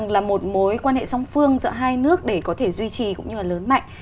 là một mối quan hệ song phương giữa hai nước để có thể duy trì cũng như là lớn mạnh